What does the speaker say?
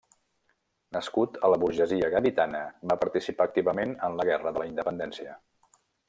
Nascut a la burgesia gaditana, va participar activament en la Guerra de la Independència.